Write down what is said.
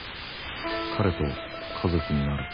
彼と家族になる。